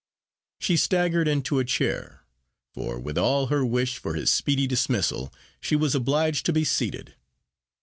She staggered into a chair, for with all her wish for his speedy dismissal, she was obliged to be seated.